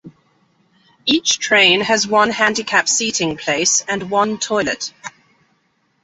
Each train has one handicap seating place and one toilet.